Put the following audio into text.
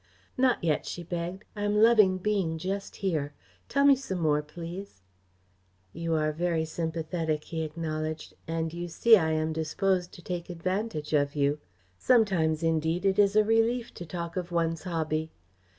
"Not yet," she begged. "I am loving being just here. Tell me some more, please." "You are very sympathetic," he acknowledged, "and you see I am disposed to take advantage of you. Sometimes indeed it is a relief to talk of one's hobby.